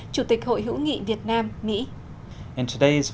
chủ tịch hội hữu nghị việt nam mỹ